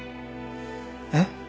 えっ？